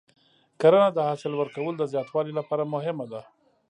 کرنه د حاصل ورکولو د زیاتوالي لپاره مهمه ده.